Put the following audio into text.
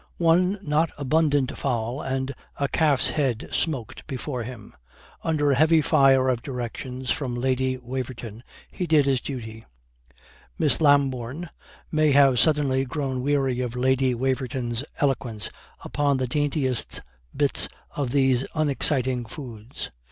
One not abundant fowl and a calf's head smoked before him. Under a heavy fire of directions from Lady Waverton he did his duty. Miss Lambourne may have suddenly grown weary of Lady Waverton's eloquence upon the daintiest bits of these unexciting foods.